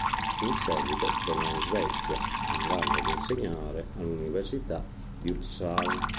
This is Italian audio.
In seguito tornò in Svezia andando ad insegnare all'Università di Uppsala.